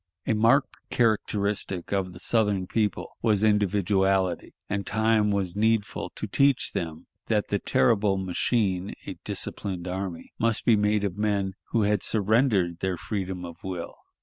A marked characteristic of the Southern people was individuality, and time was needful to teach them that the terrible machine, a disciplined army, must be made of men who had surrendered their freedom of will.